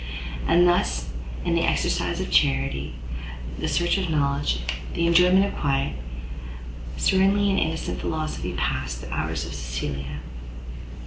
And thus, in the exercise of charity, the search of knowledge, and the enjoyment of quiet, serenely in innocent philosophy passed the hours of Cecilia.